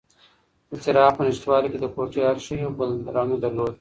د څراغ په نشتوالي کې د کوټې هر شی یو بل رنګ درلود.